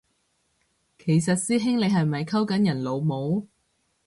其實師兄你係咪溝緊人老母？